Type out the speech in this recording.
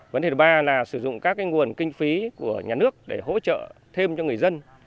vấn đề thứ ba là sử dụng các nguồn kinh phí của nhà nước để hỗ trợ thêm cho người dân